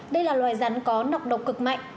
đây là loài rắn có nọc độc cực mạnh